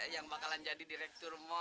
yang bakalan jadi direktur mall